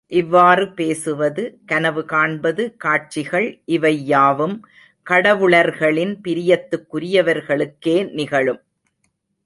இவ்வாறு பேசுவது, கனவு காண்பது, காட்சிகள் இவை யாவும் கடவுளர்களின் பிரியத்துக்குரியவர்களுக்கே நிகழும்.